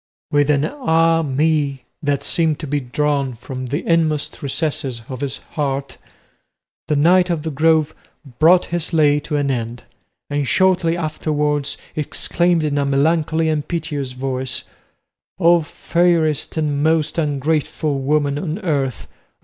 With an "Ah me!" that seemed to be drawn from the inmost recesses of his heart, the Knight of the Grove brought his lay to an end, and shortly afterwards exclaimed in a melancholy and piteous voice, "O fairest and most ungrateful woman on earth!